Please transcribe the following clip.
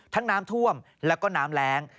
ทั้งน้ำท่วมและก็น้ำแรง